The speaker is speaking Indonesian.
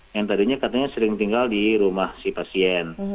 yang tadinya katanya sering tinggal di rumah si pasien